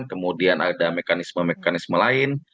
kemudian ada mekanisme mekanisme lain